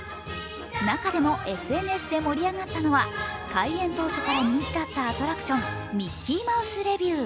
中でもＳＮＳで盛り上がったのは、開園当初から人気だったアトラクション、ミッキーマウス・レビュー。